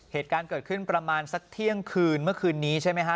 เหตุการณ์เกิดขึ้นประมาณสักเที่ยงคืนเมื่อคืนนี้ใช่ไหมฮะ